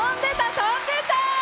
跳んでた！